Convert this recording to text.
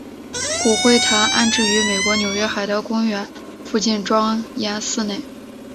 骨灰坛安置于美国纽约海德公园附近庄严寺内。